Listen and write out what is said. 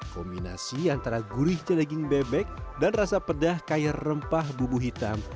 kombinasi antara gurihnya daging bebek dan rasa pedah kayak rempah bubu hitam